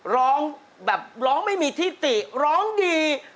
ร้องแบบร้องไม่มีที่ติร้องดี